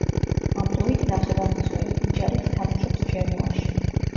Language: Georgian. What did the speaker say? ამპლუით ნახევარმცველი, იჯარით თამაშობს ჯენოაში.